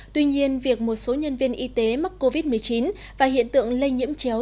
tuy nhiên việc một số nhân viên y tế mắc covid một mươi chín và hiện tượng lây nhiễm chéo